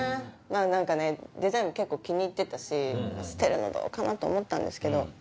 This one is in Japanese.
何かねデザインも結構気に入ってたし捨てるのどうかな？と思ったんですけど